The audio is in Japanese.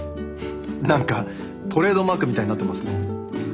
何かトレードマークみたいになってますね。